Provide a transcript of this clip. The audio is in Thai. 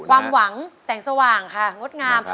ความหวังแสงสว่างค่ะ